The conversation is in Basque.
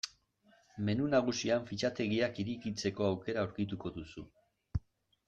Menu nagusian fitxategiak irekitzeko aukera aurkituko duzu.